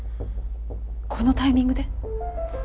このタイミングで。